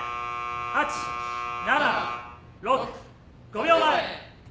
８７６５秒前４３。